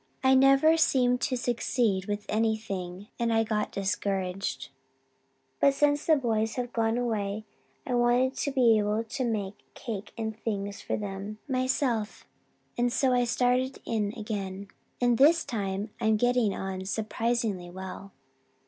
I never seemed to succeed with anything and I got discouraged. But since the boys have gone away I wanted to be able to make cake and things for them myself and so I started in again and this time I'm getting on surprisingly well.